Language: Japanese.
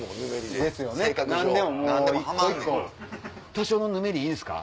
多少のぬめりいいですか？